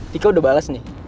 tika udah bales nih